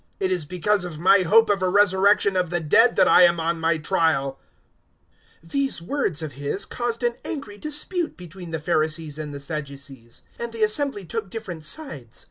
It is because of my hope of a resurrection of the dead that I am on my trial." 023:007 These words of his caused an angry dispute between the Pharisees and the Sadducees, and the assembly took different sides.